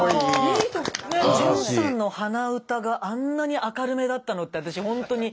純さんの鼻歌があんなに明るめだったのって私ほんとに。